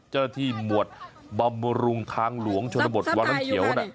เจ้าหน้าที่หมวดบำรุงทางหลวงชนบทวรรณเขียวนะ